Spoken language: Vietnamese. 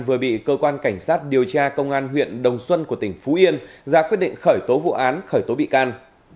vừa bị cơ quan cảnh sát điều tra công an huyện đồng xuân của tỉnh phú yên ra quyết định khởi tố vụ án khởi tố bị can